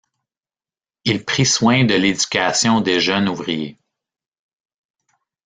Il prit soin de l'éducation des jeunes ouvriers.